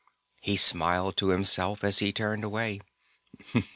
He smiled to himself as he turned away.